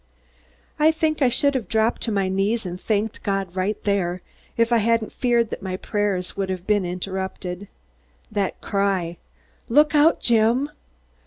I think I should have dropped to my knees and thanked God right there, if I hadn't feared that my prayers would have been interrupted. That cry, "Look out, Jim!"